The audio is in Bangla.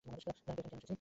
জানোই তো এখানে কেন এসেছি।